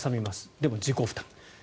でも自己負担。